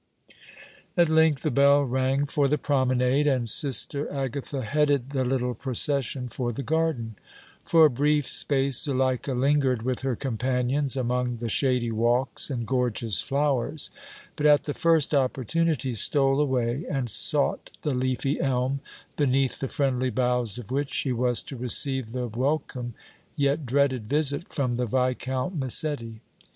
At length the bell rang for the promenade, and Sister Agatha headed the little procession for the garden. For a brief space Zuleika lingered with her companions among the shady walks and gorgeous flowers, but at the first opportunity stole away and sought the leafy elm, beneath the friendly boughs of which she was to receive the welcome yet dreaded visit from the Viscount Massetti.